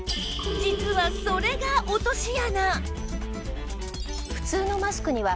実はそれが落とし穴！